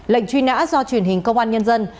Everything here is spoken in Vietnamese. lệnh truy nã do truyền hình công an nhân dân